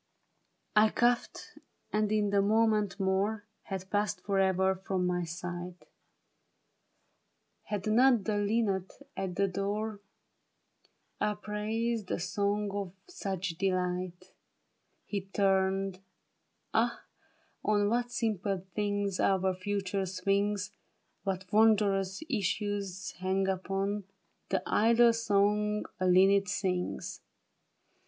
He quaffed, and in a moment more Had passed forever from my sight, 105 Io6 THE BARRICADE. Had not the linnet at the door, Upraised a song of such delight, He turned — Ah, on what simple things Our future swings ; What wondrous issues hang upon The idle song a linnet sings